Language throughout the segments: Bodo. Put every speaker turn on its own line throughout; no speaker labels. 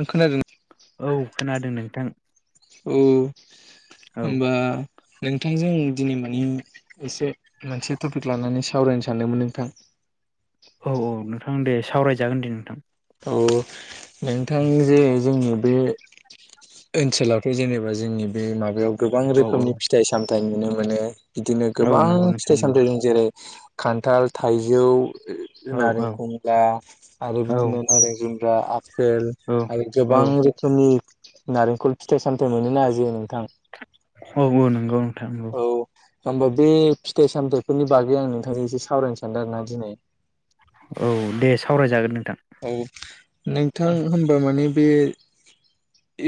ओं खोनादों।
औ खोनादों नोंथां।
औ
औ
होनबा नोंथांजों दिनै मानि एसे मोनसे टपिक लानानै सावरायनो सानदोंमोन नोंथां।
औ औ नोंथां दे। सावरायजागोन दे नोंथां।
औ नोंथां जे जोंनि बे ओनसोलावथ' जेनेबा जोंनि बे माबायाव गोबां
औ औ
रोखोमनि फिथाइ साम थाइ नुनो मोनो बिदिनो
औ
गोबां
नंगौ
फिथाइ
नोंथां औ
सामाइजों जेरै खान्थाल, थाइजौ ओ
औ औ
नारेंखमला आरो
औ
जों जुमब्रा, आफपेल
औ
आरो
औ
गोबां रोखोमनि। नारेंखल फिथाइ सामथाय मोनो ना जों नोंथां?
औ नंगौ नोंथां
औ। होमबा बे फिथाइ सामथायाइफोरनि बागै आं नोंथांजों एसे सावरायनो सानदों आरोना दिनै।
औ दे सावरायजागोन नों
औ नोंथां होमबा माने बे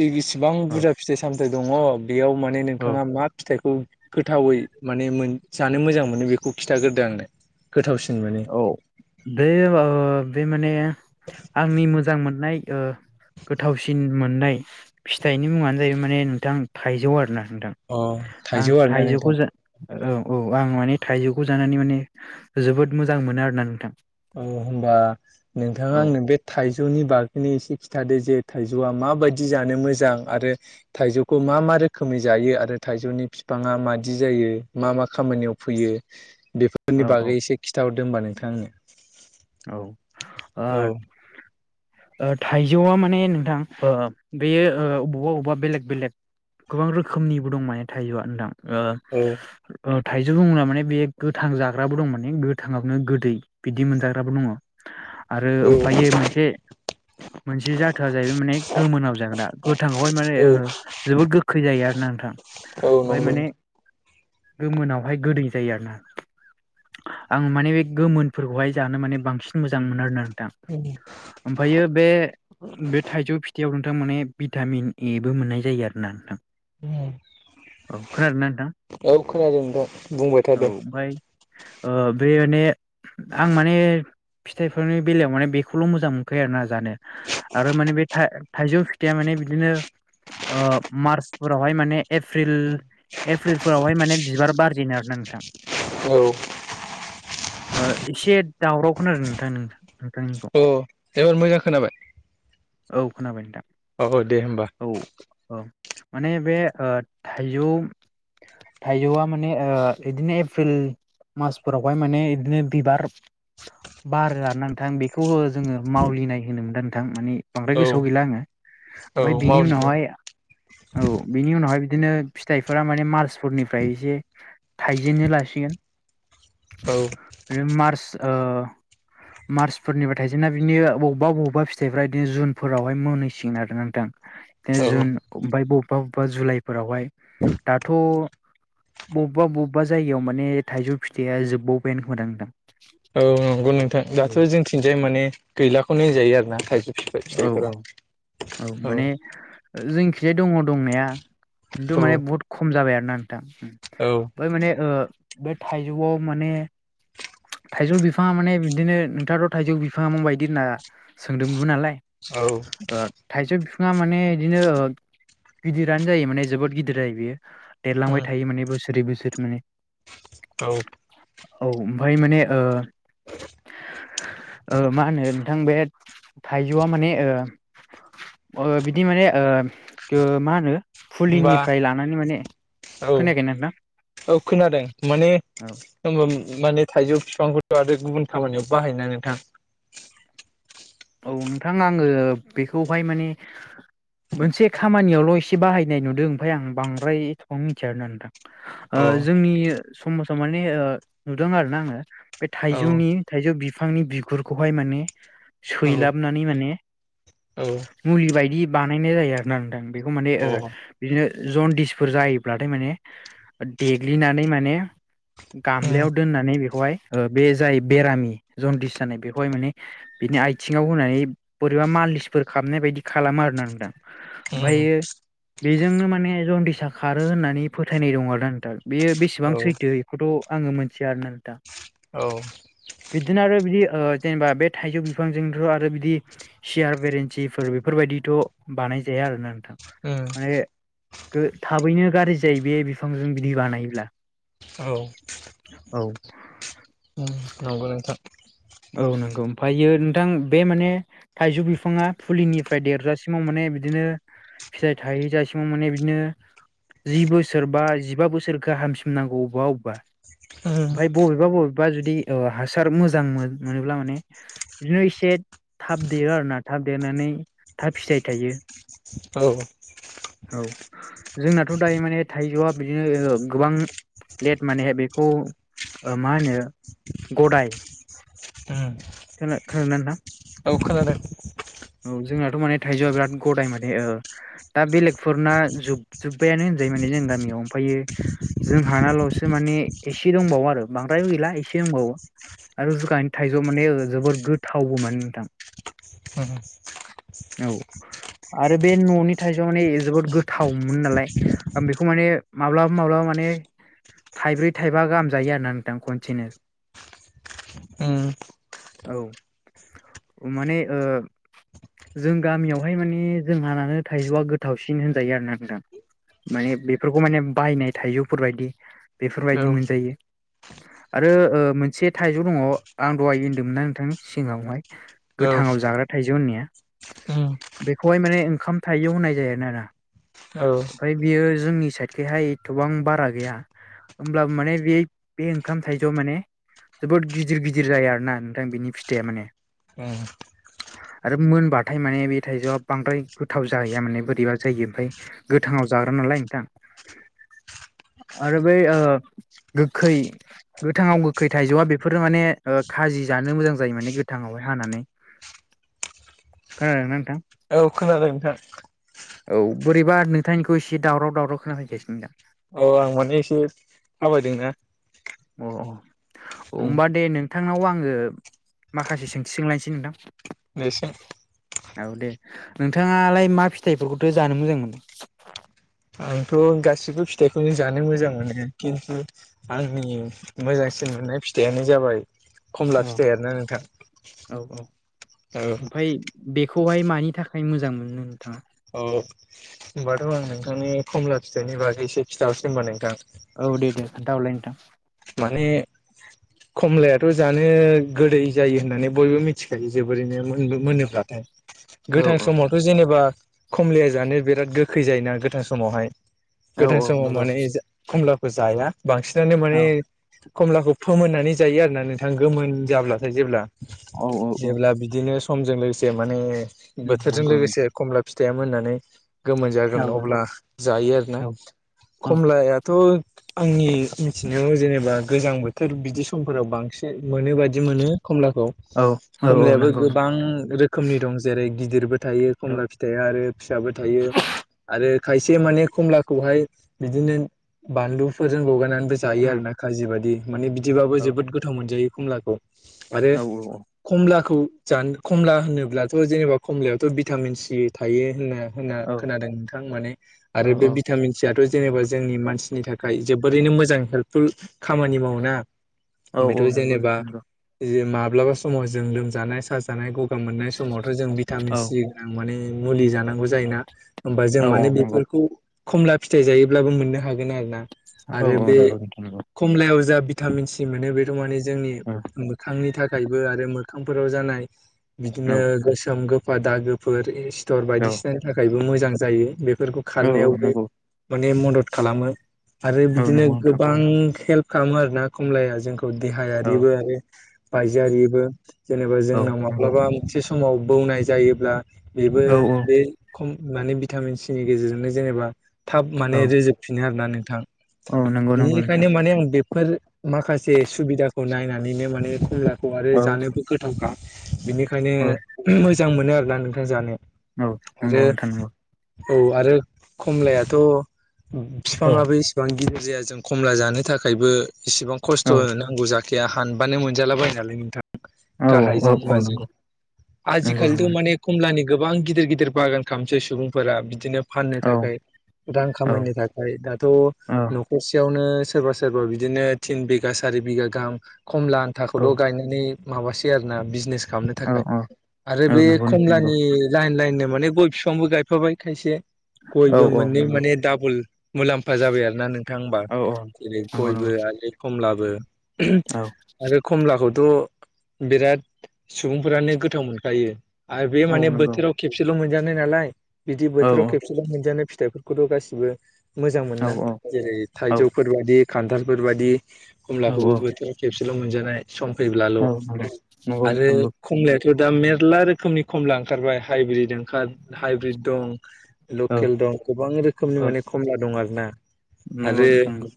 इगिस बिबां बुरजा फिथाइ सामथाइ दङ। बेयाव माने
औ
नोंथाङा मा फिथाइखौ गोथावै माने मोन जानो मोजां मोनो। बेखौ खिन्थाग्रोदो आंनो? गोथावसिन मोनो
औ दे ओ बे माने आंनि मोजां मोननाय ओ गोथावसिन मोननाय फिथाइनि मुङानो जाहैबाय माने नोंथां थाइजौ आरोना। नोंथां
अ
आं
थाइजौ आरोना
थाइजौखौ
नोंथां
जा औ औ आं माने थाइजौखौ जानानै माने जोबोद मोजां मोनो आरोना नोंथां।
औ होमबा नोंथाङा
औ
आंनो बे थाइजौनि बागैनो एसे खि थादो जे थायजौआ मााबायदि जानो मोजां आरो थायजौखौ मा मा रोखोमै जायो? आरो था थाइजौनि बिफाङा मादि जायो मा मा खामानियाव फैयो?
औ
बेफोरनि
औ
बागै एसे खिन्थाहरदों होनबा नोंथां आंनो।
औ
औ
आद ओ थाइजौआ माने नोंथां ओ बेयो ओ बबावबा अबेबा बेलेग बेलेग गोबां रोखोमनिबो दं माने थाइजौआ नोंथां। ओ
औ
ओ थाइजौ बुङोब्ला माने बे गोथां जाग्राबो दं माने गोथाङावनो गोदै बिदि मोनजा दङ आरो ओमफायो मोनसे मोनसे जाथोआ जाहैबाय माने गोमोनाव जाग्रा गोथांआवहाय माने
औ
ओ जोबोद गोखै जायो आरो ना। नोंथां
औ
ओमफाय
नंगौ।
माने गोमोनावहाय गोदै जायो आरोना। आं माने बे गोमोनफोरखौहाय जानो माने बांसिन मोजां मोनो आरोना। थां ओमफायो बे बे थाइजौ फिथाइयाव थां माने भिटामिन एबो मोननाय जायो आरोना नोंथां।
दहाय
औ खोनादोंना नोंथां
औ खोनादों नोंथां बुंबाय था
औ
दे।
ओमफ्राय ओ बे ने आं माने फिथाइफोरनि बेलायाव माने बेखौल' मोजां मोनखायो आरोना। जानो आरो माने बे था-थाइजौ फिथाइया माने बिदिनो ओ मार्चफोरावहाय माने एप्रिल एप्रिलफोरावहाय माने बिबार बार जेनो आरोना नोंथां।
औ
ओ एसे दावराव खोनादों नोंथां नों
अ' एबार मोजां खोनाबाय?
औ खोनाबाय नोंथां
औ दे होमबा।
औ औ माने बे ओ थाइजौ थाइजौआ माने ओ इदिनो एप्रिल मासफोरावहाय माने इदिनो बिबार बारो आरोना नोंथां बेखौ ओ जोङो मावलिनाय होनो मोनदा नोंथां माने बांद्राय
औ
गोसोआव गैला आङो
औ
ओमफ्राय बिनि
मावदिनि
उनावहाय औ बिनि उनावहाय बिदिनो फिथाइफोरा माने मार्सफोरनिफ्राय एसे थायजेननो लासिगोन
औ
बेयो मार्च ओ मार्चफोरनिबा थाइजेना बिनिनो बबेबा बबेबा फिथायफोरा बिदिनो जुनफोरावहाय मोनहैसिगोन आरोना नोंथां
औ
जुन ओमफ्राय बबेबा बबेबा जुलाइफोरावहाय दाथ' बबेबा बबेबा जायगायाव माने थाइजौ फिथाइया जोबबावबायानो खोमादों नोंथां
औ नंगौ नोंथां दाथ' जोंथिजाय माने गैलाखौनो होनजायो आरो ना था
औ औ औ माने जोंखिजाय दङ दंनाया खिन्थु
औ
माने बुहुत खम जाबाय आरो ना नोंथां
औ
ओमफ्राय माने ओ बे थाइजौआव माने थाइजौ बिफाङा माने बिदिनो नोंथाङाथ' थाइजौ बिफाङा माबायदि होनना सोंदोंमोनबो नालाय
औ
ओ थाइस' बि बिफाङा माने बिदिनो गिदिरानो जायो माने जोबोद गिदिर देरलांबाय थायो माने बोसोरै बोसोर माने
औ
औ ओमफाय माने ओ ओ मा होनो नोंथां बे थायजौआ माने ओ ओ बिदि माने ओ ओ मा होनो
होमबा
फुलिनिफ्राय लानानै माने
औ
खोनायाखै ना नोंथां
औ खोनादों माने
औ
होनबा माने थाइजौ बिफांखौथ' आरो गुबुन खामानियाव बाहायो ना नोंथां
औ नोंथां आङो बेखौहाय माने मोनसे खामानियावल' एसे बाहायनाय नुदों ओमफ्राय आं बांद्राय एथ'बां मिथिया आरोना नोंथां ओ
अ
जोंनि समाजाव माने ओ नुदों आरोना आङो बे
औ
थाइजौनि थाइजौ बिफांनि बिगुरखौहाय माने
औ
सैलाबनानै माने
अ
मुलि बायदि बानायनाय जायो आरो ना नोंथां बेखौ माने
औ
बिदिनो जनदिसफोर जायोब्लाथाय माने देग्लिनानै माने
औ
गामलायाव दोननानै बेखौहाय बे जाय बेरामि जन्दिस जानाय बेखौहाय माने बिनि आथिङाव होनानै बोरैबा मालिसफोर खालामनाय बायदि खालामो आरोना नोंथां ओमफ्रायो बेजोंनो माने जन्दिसा खारो होननानै फोथायनाय दं आरोना नोंथां बेयो बेसेबां सैथो बेखौथ' आङो मोनथिया आरोना नोंथां
औ
बिदिनो आरो बिदि जेनेबा बे थाइजौ बिफांजोंथ' आरो बिदि सियार बेरेन्सिफोर बेफोरबायदिथ' बानायजाया आरोना नोंथां
उम
माने थाबैनो गाज्रि जायो बे बिफांजों बिदि बानायोब्ला
औ
औ
नंगौ नोंथां‌।
औ नंगौ ओमफ्रायो नोंथां बे माने थाइजौ बिफाङा फुलिनिफ्राय देरजासिमाव माने बिदिनो फिथाइ थायजासिम माने बिदिनो जि बोसोर बा जिबा बोसोर गाहामसिम नांगौ अबेबा अबेबा
उम
ओमफ्राय बबेबा बबेबा जुदि ओ हासार मोजां मोनोब्ला माने बिदिनो एसे थाब देरो आरो ना थाब देरनानै थाब फिथाइ थायो।
औ
औ जोंनाथ' दायो माने थाइजौआ बिदिनो गोबां लेट मानेहाय बेखौ मा होनो गदाय
उम
खोना खोनादोंना नोंथां
औ खोनादों
औ जोंनाथ' माने थाइजौआ बिराद गदाय माने ओ दा बेलेगफोरना जोबजुब्बायानो होनजायो माने जों गामियाव ओमफायो जों हानाल'सो माने ‍एसे दंबावो बांद्र गैसे दंबावो आरो [unintelligible] थाइजौ माने जोबोर गोथावबो माने नोंथां।
उम
औ आरो बे न'नि थाइजौआ माने जोबोद गोथावमोन नालाय आं बेखौ माने माब्लाब माब्लाबा माने थाइब्रै थाइबा गाहामजायो आरोना नोंथां खनसेनो।
उम
औ माने ओ जों गामियावहाय माने जोंहानानो थाइजौआ गोथावसिन होनजायो आरोना नोंथां। माने बेफोरखौ माने बायनाय थाइजौफोरबायायदि
औ
बेफोरबायदि मोनजायो। आरो ओ मोनसे थाइजौ दंङ आं दहाय होनदोंमोनना नोंथां सिंगांङावहाय गोथांङाव जाग्रा थाइजौ होननाया।
उम
बेखौहाय माने ओंखाम थाइजौ होननाय जायो आरोना ओमफ्राय बियो जोंनि साइडखैहाय एथबां बारा गैया। होमब्लाबो माने बे बे ओंखाम थाइजौआव माने जोबोद गिदिर गिदिर गिदिर जाया आरोना नोंथां बिनि फिथाइया माने
औ
आरो मोनबाथाय माने बे थाइजौआ बांद्राय गोथाव जाहैया माने बोरैबा जायो ओमफ्राय गोथांङाव जा ग्रानालाय नोंथां। आरो बै ओ गोखै गोथांङाव गोखै थाइजौआ बेफोरो माने ओ खाजि जानो मोजां जायो माने गोथांङावहाय हानानै। खोनादोंना नोंथां
[inaudible] औ खोनादों
औ बोरैबा नोंथांनिखौ एसे दावराव दावराव खोनाफैगासिनो दा
औ आं माने एसे थाबायदोंना।
अ अ होमबा दे नों थांनाव आंङो माखासे सोंथि सोंलायनोसै नोंथां।
दे सों
औ दे नोंथांङालाय मा फिथाइफोरखौथो जानो मोजां मोनो?
आंथ' गासिबो फिथाइखौनो जानो मोजां मोनो खिन्थु आंनि मोजांसिन मोननाय फिथाइयानो जाबाय खमला
औ
फिथाइ आरोना नोंथां
औ औ
औ
ओमफ्राय बेखौहाय मानि थाखाय मोजां मोनो नोंथांङा?
औ होमबाथ' आं नोंथांनि खमला फिथाइनि बागै एसे खिथाहरसै होनबा नोंथां
औ दे दे खोन्था हरलाय नोंथां
माने खमलायाथ' जानो गोदै जायो होननानै बयबो मिथिखायो जोबोरैनो मोनबो मोनोब्लाथाय
औ
गोथां समावथ' जेनेबा खमलाया जानो बिराद गोखै जायोना गोथां समावहाय
औ
गोथां
औ
समाव
नंगौ
माने खमलाखौ जाया बांसिनानो माने
औ
खमलाखौ फोमोननानै जायो आरोना नोंथां गोमोन जाब्लाथाय जेब्ला
औ औ औ
जेब्ला बिदिनो समजों लोगोसे माने बोथोरजों
नंगौ नंगौ
लोगोसे खमला फिथाइया मोननानै गोमोन जागोन
औ नंगौ
अब्ला जायो आरोना
औ औ
कमलायाथ' आंनि मिथिनायाव जेनेबा गोजां बोथोर बिदि समफोराव बांसिन मोनो बायदि मोनो कमलाखौ
औ औ
कमलायाबो
नंगौ नंगौ
गोबां रोखोमनि दं जेरै गिदिरबो थायो
औ
खमला फिथाइया आरो फिसाबो थायो आरो खायसे माने कमलाखौहाय बिदिनो बानलुफोरजों लगायनानैबो जायो आरो
उम
ना खाजि बादि माने बिदिबाबो
औ
जोबोद गोथाव मोनजायो कमलाखौ आरो
औ
कमलाखौ जानो कमला होनोब्लाथ' जेनेबा कमलायावथ' भिटामिन सि थायो होनो होनना
औ
खोनादों नोंथां माने
औ
आरो बे भिटामिन सियाथ' जेनेबा जोंनि मानसिनि थाखाय जोबोरैनो मोजां हेल्पफुल खामानि मावोना
औ औ
बेथ'
नंगौ
जेनेबा
नोंथां नंगौ
माबा माब्लाबा समाव जों लोमजानाय साजानाय गगा मोननाय समावथ' जों भिटामिन
औ
सि गोनां माने मुलि जानांगौ जायोना होमबा जों
औ औ
माने
नंगौ
बेफोरखौ खमला फिथाइ जायोब्लाबो मोननो हागोन आरो ना
औ औ नंगौ नोंथां नंगौ
खमलायाव जा भिटामिन सि मोनो बेथ' माने जोंनि
औ
मोखांनि थाखायबो आरो मोखां मोखांफोराव जानाय
औ
बिदिनो गोसोम गोफा दागोफोर सिटर
औ
बायदिसिनानि थाखायबो मोजां जायो बेफोरखौ
औ
खारनायावबो
नंगौ
माने मदद खालामो आरो
औ
बिदिनो
नंगौ नोंथां
गोबां हेल्प खालामो आरोना खमलाया जोंखौ
औ
देहायारि आरो बायजोआरिबो जेनेबा
औ
जोंनाव
नंगौ
माब्लाबा मोनसे सम समाव बौनाय जायोब्ला बेबो
औ
बे खम माने भिटामिन सिनि गेजेरजोंनो जेनेबा थाब
औ
माने रोजोबफिनो आरो ना नोंथां
औ नंगौ नंगौ नोंथां।
बेनिखायनो माने आं बेफोर माखासे सुबिदाखौ नायनानैनो माने खमलाखौ आरो
औ
जानोबो गोथावखा बिनिखायनो
औ
मोजां मोनो आरोना नोंथां जानायाव।
औ नंगौ
आरो
नोंथां नंगौ
औ आरो खमलायाथ'
औ
बिफाङाबो एसेबां गिदिर जाया जों खमला जानो थाखायबो इसिबां खस्थ'
औ
नांगौ जाखाया हानबानो मोनजालाबायो नालाय नोंथां
औ औ
गाहायजों माजों
नंगौ नंगौ नंगौ
आजिखालिथ' माने खमलानि गोबां गिदिर गिदिर बागान खालामसै सुबुंफोरा बिदिनो फाननो
औ
थाखाय रां
औ
खामायनो थाखाय दाथ'
औ
न'खरसेयावनो सोरबा सोर सोरबा बिदिनो थिन बिगा सारि बिगा गाहाम खमला
औ
आन्थाखौल' गायनानै माबासै आरोना बिजनेस खालामनो थाखाय आरो
औ
बे
नंगौ नोंथां नंगौ
खमलानि लाइन लाइननो माने गय बिफांबो गायफाबाय खायसे
औ
गयबो
औ
मोननै
नंगौ
माने डाबल मुलाम्फा जाबाय आरो ना नोंथां होमबा
औ औ
जेरै
नंगौ
गयबो
नंगौ
आरो खमलाबो
औ
आरो खमलाखौ थ' बिराद सुबुंफोरानो गोथाव मोनखायो आरो बे
औ
माने
नंगौ
बोथोराव खेबसेल' मोनजानाय नालाय बिदि
औ
बोथोराव खेबसेल' मोनजानो फिथाइफोरखौथ' गासिबो मोजां मोना
औ
जेरै
औ
थाइजौफोर बाददि खान्थालफोर बाददि
औ
खमलाखौबो बोथोराव खेबसेल' मोनजानाय सम फैब्लाल'
औ नंगौ नंगौ
आरो
नोंथां नंगौ
कमलेट ज दा मेरला रोखोमनि खमला ओंखारबाय हाइब्रिदजों हाइब्रिद दं
औ
लकेल दं गोबां रोखोमनि
औ
माने खमला दं आर ना
नंगौ
आरो
नोंथां नंगौ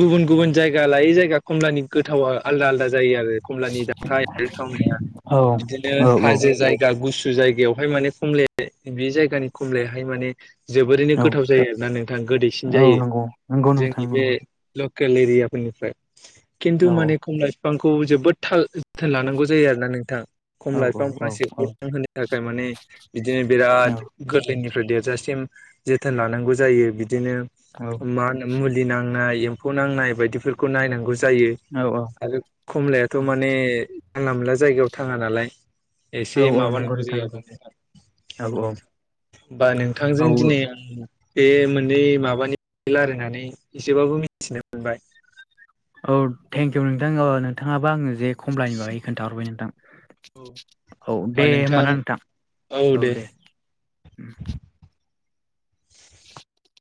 गुबुन गुबुन जायगा लायै जायगा खमलानि गोथावा आलदा आलदा जायो आरो कमलानि दाथाय थावनिया
औ
बिदिनो
औ औ
हाजो जायगा गुसु जायगायावहाय माने खमलाया बे जायगानि खमलायाहाय माने जोबोरैनो
औ
गोथाव जायो आरोना नोंथाङा गोदैसिन
औ
जायो
नंगौ नंगौ नोंथां
जोंनि बे
नंगौ
लकेल एरिया फोरनिफ्राय खिन्थु
औ
माने खमला बिफांखौ जोबोद थाल जोथोन लानांगौ जायो आरोना नोंथां खम
औ औ
लाइफां
औ
फांसेखौ थां होनो थाखाय माने बिदिनो बिराद गोरलैनिफ्राय देर जोथोन लानांगौ जायो बिदिनो मा मुलि नांनाय एम्फौ नांनाय बयदिफोरखौ नायनांगौ जायो आरो खमलायाथ माने जानला मानला जाया जायगायाव थाङा नालाय
औ
एसे
औ नंगौ
माबानांगौ
नोंथां नंगौ
जायाबानो
औ
होमबा
औ
नोंथांजों दिनै आं बे मोननै माबानि रायलायनानै एसेबाबो मिथिनो मोनबाय
औ थेंकिउ नोंथां नोंथाङाबो आङो जे खमलानि बागै खोन्थाहरबाय नोंथां
होमबा
औ दे होमब ना नोंथां औ दे उ [unintelligible] [unintelligible]